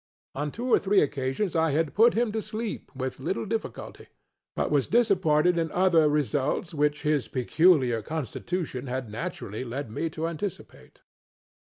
On two or three occasions I had put him to sleep with little difficulty, but was disappointed in other results which his peculiar constitution had naturally led me to anticipate.